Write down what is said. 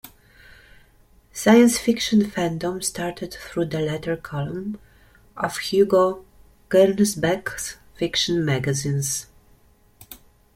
Science fiction fandom started through the letter column of Hugo Gernsback's fiction magazines.